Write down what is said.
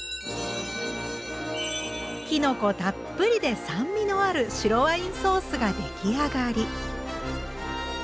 きのこたっぷりで酸味のある白ワインソースが出来上がり。